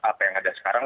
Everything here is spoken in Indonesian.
apa yang ada sekarang